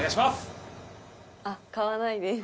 あっ買わないです。